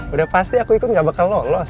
udah pasti aku ikut gak bakal lolos